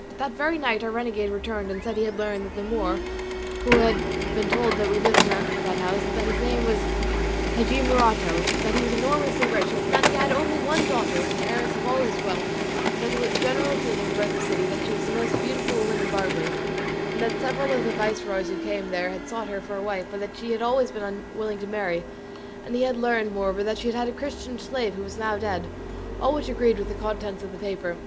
That very night our renegade returned and said he had learned that the Moor we had been told of lived in that house, that his name was Hadji Morato, that he was enormously rich, that he had one only daughter the heiress of all his wealth, and that it was the general opinion throughout the city that she was the most beautiful woman in Barbary, and that several of the viceroys who came there had sought her for a wife, but that she had been always unwilling to marry; and he had learned, moreover, that she had a Christian slave who was now dead; all which agreed with the contents of the paper.